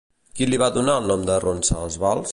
Qui li va donar el nom de Ronsasvals?